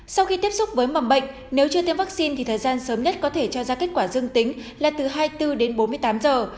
sau khi tiếp xúc với mầm bệnh nếu chưa tiêm vaccine thì thời gian sớm nhất có thể cho ra kết quả dương tính là từ hai mươi bốn đến bốn mươi tám giờ